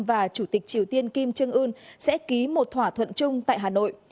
và chủ tịch triều tiên kim jong un sẽ ký một thỏa thuận chung tại hà nội